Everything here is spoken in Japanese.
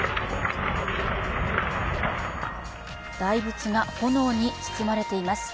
大仏が炎に包まれています。